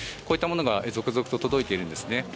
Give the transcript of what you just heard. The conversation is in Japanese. こういったものが続々と届いているんですね。